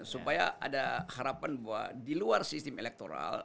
supaya ada harapan bahwa di luar sistem elektoral